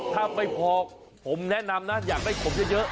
ถ้าไม่พอผมแนะนำนะอยากได้ผมเยอะ